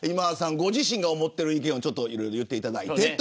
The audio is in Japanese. ご自身が思っている意見を言っていただいて。